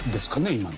今の。